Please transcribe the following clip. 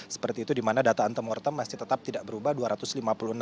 seperti itu di mana data antemortem masih tetap tidak berubah